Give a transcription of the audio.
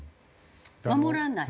守らない？